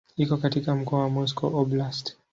Iko katika mkoa wa Moscow Oblast.